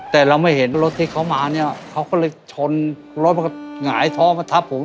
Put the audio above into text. แต่เราไม่เห็นรถที่เขามาเนี่ยเขาก็เลยชนรถมันก็หงายท้องมาทับผม